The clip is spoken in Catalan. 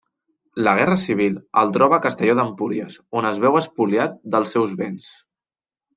La Guerra Civil el troba a Castelló d'Empúries on es veu espoliat dels seus béns.